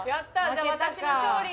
じゃあ私の勝利。